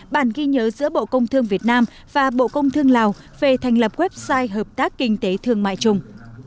bản ghi nhớ giữa bộ công thương việt nam và bộ công thương lào về thành lập website hợp tác kinh tế thương mại chung